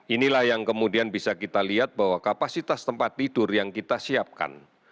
inilah yang kemudian bisa kita lihat bahwa kapasitas tempat tidur yang kita siapkan